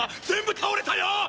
全部倒れたよ！